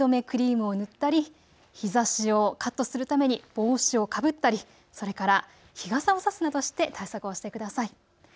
クリームを塗ったり日ざしをカットするために帽子をかぶったりそれから日傘を差すなどして対策をしてください。